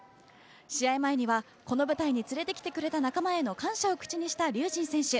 試合前には、この舞台に連れてきてくれた仲間への感謝を口にした竜神選手。